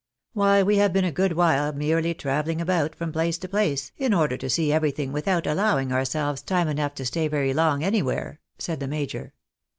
" Why we have been a good while merely travelling about from place to place, in order to see everything without allowing ourselves time enough to stay very long anywhere," said the major.